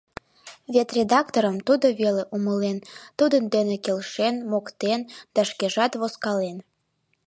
Вет редакторым тудо веле умылен, тудын дене келшен, моктен да шкежат возкален.